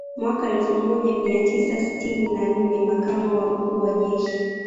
Mwaka elfu moja mia tisa sitini na nne Makamu wa Mkuu wa Jeshi